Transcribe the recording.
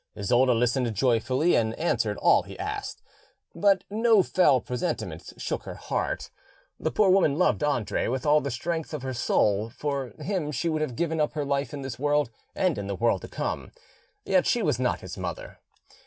Isolda listened joyfully, and answered all he asked; but no fell presentiment shook her heart: the poor woman loved Andre with all the strength of her soul; for him she would have given up her life in this world and in the world to come; yet she was not his mother.